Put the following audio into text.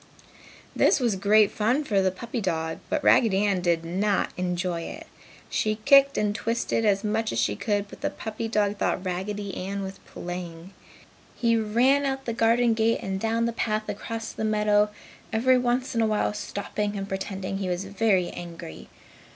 This was great fun for the puppy dog, but Raggedy Ann did not enjoy it. She kicked and twisted as much as she could, but the puppy dog thought Raggedy was playing. He ran out the garden gate and down the path across the meadow, every once in a while stopping and pretending he was very angry.